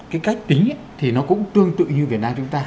cái cách tính thì nó cũng tương tự như thế này